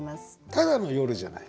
ただの夜じゃない。